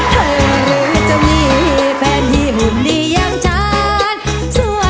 เธอนั้นนะจะเรียกฉันว่าอะไร